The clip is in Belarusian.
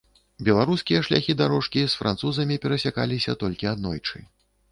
Беларускія шляхі-дарожкі з французамі перасякаліся толькі аднойчы.